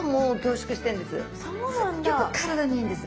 すっギョく体にいいんです。